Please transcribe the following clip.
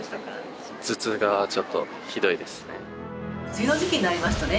梅雨の時期になりますとね